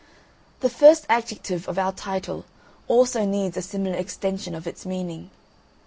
The first adjective of our title also needs a similar extension of its meaning.